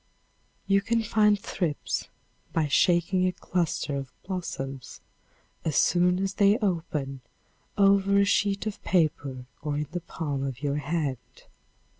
You can find thrips by shaking a cluster of blossoms, as soon as they open, over a sheet of paper or in the palm of your hand.